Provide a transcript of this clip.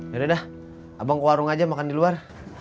yaudah deh abang ke warung aja makan di luar